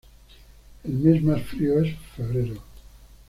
El mes más frío es febrero.